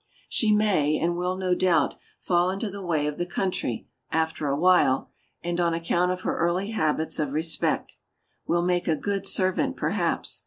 She may, and will no doubt, fall into the way of the country, after a while, and on account of her early habits of respect, will make a good servant perhaps.